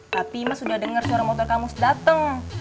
tapi imas udah denger suara motor kang mus dateng